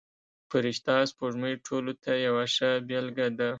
فرشته سپوږمۍ ټولو ته یوه ښه بېلګه ده.